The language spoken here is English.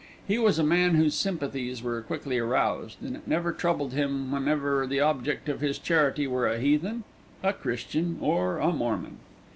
He was a man whose sympathies were quickly aroused, and it never troubled him whether the object of his charity were a heathen, a Christian, or a Mormon.